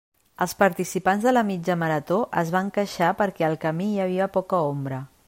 Els participants de la mitja marató es van queixar perquè al camí hi havia poca ombra.